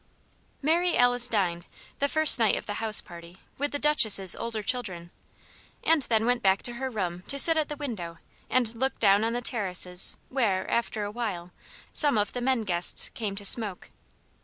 Mary Alice dined, the first night of the house party, with the Duchess's older children, and then went back to her room to sit at the window and look down on the terraces where, after a while, some of the men guests came to smoke.